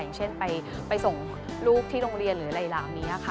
อย่างเช่นไปส่งลูกที่โรงเรียนหรืออะไรเหล่านี้ค่ะ